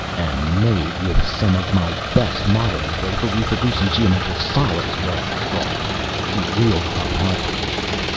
"And made with some of my best modeling clay for reproducing geometric solids!" rasped Gault. He wheeled upon Harper.